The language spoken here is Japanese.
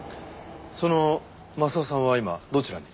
その雅夫さんは今どちらに？